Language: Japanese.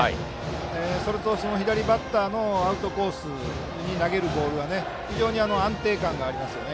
それと、左バッターのアウトコースに投げるボールが非常に安定感がありますよね。